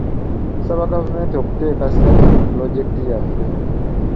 Tusaba gavumenti okuteeka ssente mu pulojekiti yaffe.